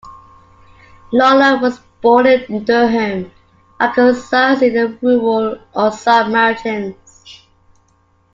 Lollar was born in Durham, Arkansas in the rural Ozark mountains.